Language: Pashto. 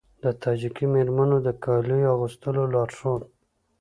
د تاجیکي میرمنو د کالیو اغوستلو لارښود